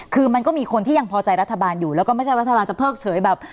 คือมันก็มีคนที่ยังพอใจรัฐบาลอยู่แล้วก็ไม่ใช่รัฐบาลจะเพิกเฉยแบบ